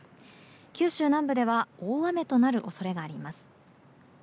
九州南部では大雨となる恐れがあります。